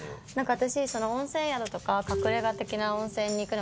私。